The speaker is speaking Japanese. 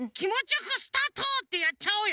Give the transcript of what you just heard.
よく「スタート！」ってやっちゃおうよ。